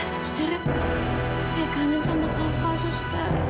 suster saya kangen sama kafa suster